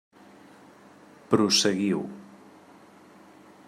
Prosseguiu.